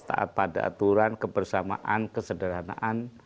taat pada aturan kebersamaan kesederhanaan